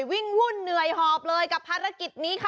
วุ่นเหนื่อยหอบเลยกับภารกิจนี้ค่ะ